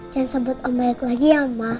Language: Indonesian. jangan sebut om banyak lagi ya ma